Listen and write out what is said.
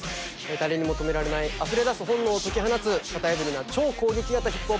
誰にも止められないあふれ出す本能を解き放つ型破りな超攻撃型ＨＩＰＨＯＰ